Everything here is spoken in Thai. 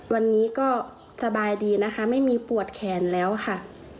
วันนี้ก็สบายดีนะคะไม่มีปวดแขนแล้วค่ะ